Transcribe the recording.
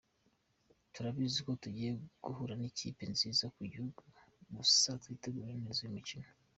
Turabizi ko tugiye guhura n’ikipe nziza mu gihugu gusa twiteguye neza uyu mukino.